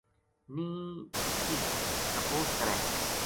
نیہہ ٹِکتی تپوس کرے